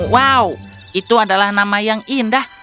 wow itu adalah nama yang indah